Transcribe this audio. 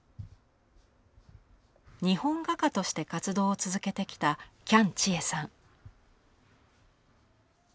日本画家として活動を続けてきた喜屋武千恵さん。